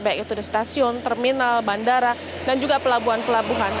baik itu di stasiun terminal bandara dan juga pelabuhan pelabuhan